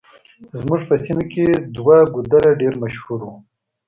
زموږ په سيمه کې دوه ګودره ډېر مشهور وو.